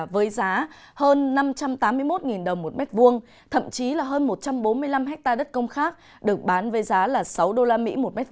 với giá hơn năm trăm tám mươi một đồng một mét vuông thậm chí là hơn một trăm bốn mươi năm ha đất công khác được bán với giá là sáu usd một m hai